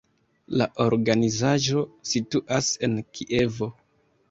La organizaĵo situas en Kievo.